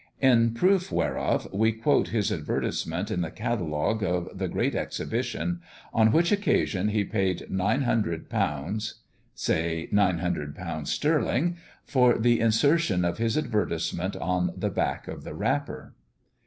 In proof whereof we quote his advertisement in the Catalogue of the Great Exhibition, on which occasion he paid £900 (say nine hundred pounds sterling), for the insertion of his advertisement on the back of the wrapper.